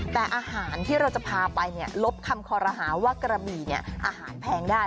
แต่อาหารที่เราจะพาไปลบคำคอรหาว่ากระบี่อาหารแพงได้